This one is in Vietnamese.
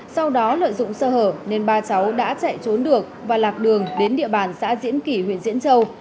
sau đó lợi dụng sơ hở nên ba cháu đã chạy trốn được và lạc đường đến địa bàn xã diễn kỳ huyện diễn châu